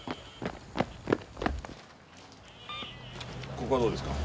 ここはどうですか？